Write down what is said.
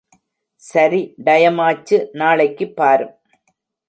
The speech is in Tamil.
சரி டயமாச்சு நாளைக்குப் பாரும்.